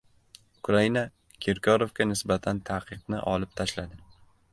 Ukraina Kirkorovga nisbatan ta’qiqni olib tashladi